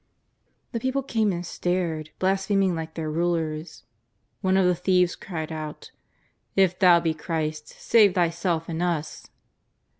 The people came and stared, blaspheming like their rulers. One of the thieves cried out :^' If Thou be Christ, save Thyself and us."